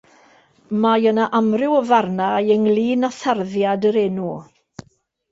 Mae yna amryw o farnau ynglŷn â tharddiad yr enw.